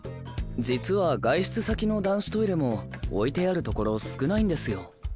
実は外出先の男子トイレも置いてあるところ少ないんですよ。